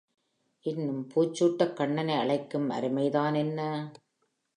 இன்னும் பூச்சூட்டக் கண்ணனை அழைக்கும் அருமைதான் என்ன?